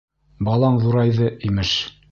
Балаң ҙурайҙы, имеш.